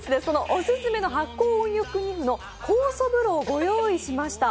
オススメの発酵温浴ｎｉｆｕの酵素風呂をご用意しました。